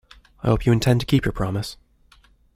I hope you intend to keep your promise.